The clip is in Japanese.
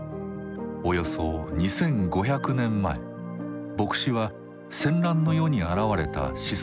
およそ２，５００年前墨子は戦乱の世に現れた思想家です。